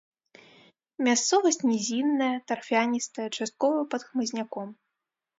Мясцовасць нізінная, тарфяністая, часткова пад хмызняком.